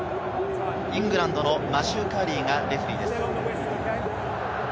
イングランドのマシュー・カーリーがレフェリーです。